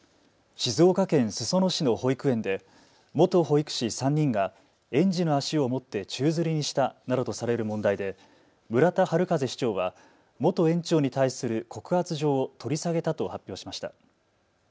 静岡県裾野市の保育園で元保育士３人が園児の足を持って宙づりにしたなどとされる問題で村田悠市長は元園長に対する告発状を取り下げたと発表しました。